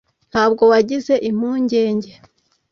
Ntabwo wagize impungenge